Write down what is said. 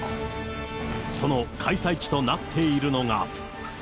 その開催地となっているのが。